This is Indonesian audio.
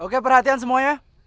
oke perhatian semuanya